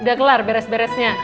udah kelar beres beresnya